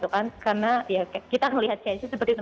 karena kita melihat change nya seperti itu